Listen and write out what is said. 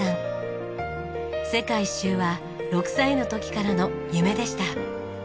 世界一周は６歳の時からの夢でした。